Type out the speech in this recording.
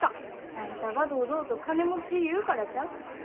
あんたが堂々と金持ち言うからちゃう？